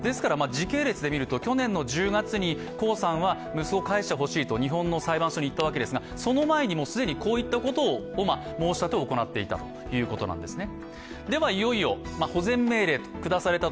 時系列で見ると去年１０月に江さんは息子を返してほしいと日本の裁判所に言ったわけですがその前に既にこういったことを申し立てを行っていたということなんですね。